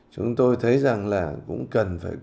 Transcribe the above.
chúng tôi thấy rằng là cũng cần phải cố gắng